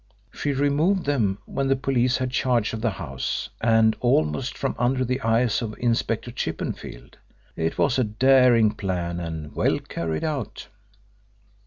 She removed them when the police had charge of the house, and almost from under the eyes of Inspector Chippenfield. It was a daring plan and well carried out."